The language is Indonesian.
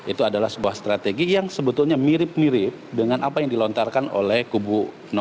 itu adalah sebuah strategi yang sebetulnya mirip mirip dengan apa yang dilontarkan oleh kubu dua